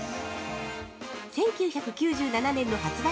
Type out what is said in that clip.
１９９７年の発売